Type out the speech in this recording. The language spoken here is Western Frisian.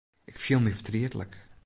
Ik fiel my fertrietlik.